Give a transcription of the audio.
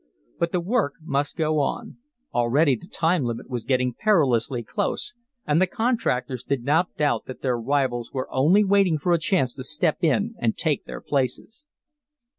But the work must go on. Already the time limit was getting perilously close, and the contractors did not doubt that their rivals were only waiting for a chance to step in and take their places.